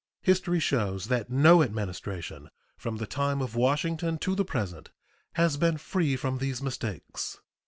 History shows that no Administration from the time of Washington to the present has been free from these mistakes.